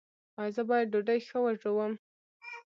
ایا زه باید ډوډۍ ښه وژووم؟